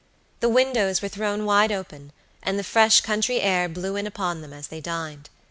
The windows were thrown wide open, and the fresh country air blew in upon them as they dined.